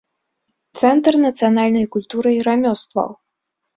Цэнтр нацыянальнай культуры і рамёстваў.